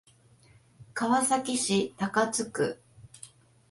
川崎市高津区